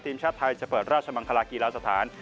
ทีมชาติไทยจะเปิดราชมังคลากีฬาสถาน